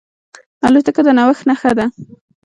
الوتکه د نوښت نښه ده.